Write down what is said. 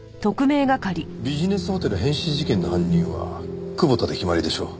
ビジネスホテル変死事件の犯人は久保田で決まりでしょう。